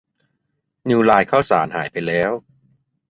นิวไลท์ข้าวสารหายไปแล้ว